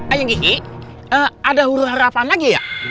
ayang kiki ada uruhara apa lagi ya